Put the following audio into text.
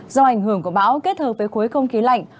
do ảnh hưởng của bão kết hợp với khối không khí lạnh